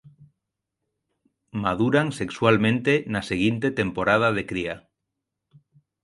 Maduran sexualmente na seguinte temporada de cría.